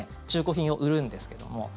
中古品を売るんですけども。